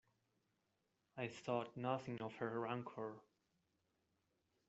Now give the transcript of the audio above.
I thought nothing of her rancour.